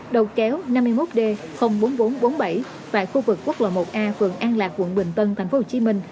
đầu kéo năm mươi một d bốn nghìn bốn trăm bốn mươi bảy tại khu vực quốc lộ một a phường an lạc quận bình tân tp hcm